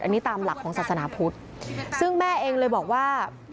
อันนี้ตามหลักของศาสนาพุทธซึ่งแม่เองเลยบอกว่า